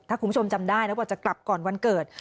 ถ้าคุณผู้ชมจำได้นะว่าจะกลับก่อนวันเกิด